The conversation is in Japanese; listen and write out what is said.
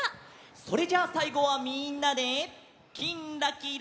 それじゃあさいごはみんなで「きんらきら」。